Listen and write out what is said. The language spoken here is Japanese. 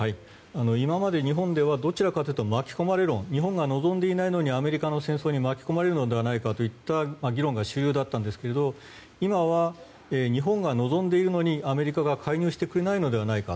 今まで日本ではどちらかというと巻き込まれ論日本が望んでいないのにアメリカの戦争に巻き込まれるのではないかという議論が主流だったんですが今は日本が望んでいるのにアメリカが介入してくれないのではないか。